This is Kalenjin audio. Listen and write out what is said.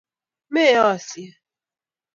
Moesho